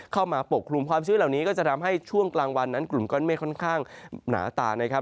ปกคลุมความชื้นเหล่านี้ก็จะทำให้ช่วงกลางวันนั้นกลุ่มก้อนเมฆค่อนข้างหนาตานะครับ